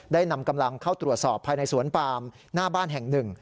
นำกำลังเข้าตรวจสอบภายในสวนปามหน้าบ้านแห่งหนึ่ง